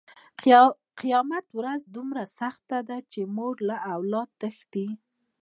قیامت ورځ دومره سخته ده چې مور له اولاده تښتي.